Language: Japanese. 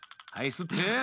すって！